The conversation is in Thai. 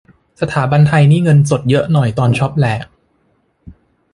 สถาบันไทยที่เงินสดเยอะหน่อยตอนนี้ช็อปแหลก